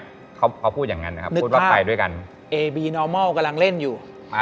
อุมารเขาขอยมาช่วยดูอยู่